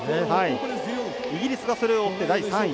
イギリスがそれを追って第３位。